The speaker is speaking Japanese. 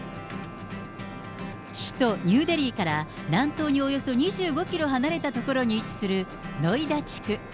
首都ニューデリーから南東におよそ２５キロ離れた所に位置する、ノイダ地区。